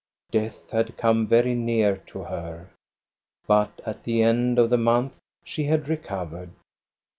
Death had come very near to her, but at the end of the month she had recov ered.